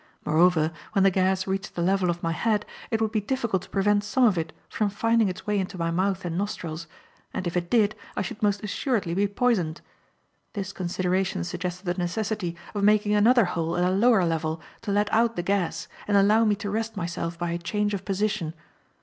Moreover, when the gas reached the level of my head, it would be difficult to prevent some of it from finding its way into my mouth and nostrils; and if it did, I should most assuredly be poisoned. This consideration suggested the necessity of making another hole at a lower level to let out the gas and allow me to rest myself by a change of position.